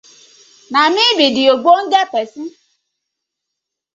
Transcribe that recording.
Na mi bi de ogbonge pesin.